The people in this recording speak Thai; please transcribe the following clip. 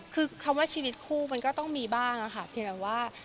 คือคำว่าชีวิตคู่มันก็ต้องมีบ้างค่ะเพียงแต่ว่า